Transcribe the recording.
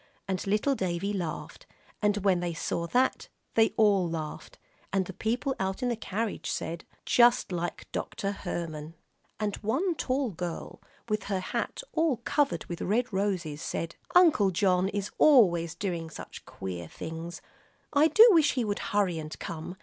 And little Davie laughed; and when they saw that, they all laughed, and the people out in the carriage said, "Just like Dr. Herman," and one tall girl, with her hat all covered with red roses, said, "Uncle John is always doing such queer things. I do wish he would hurry and come.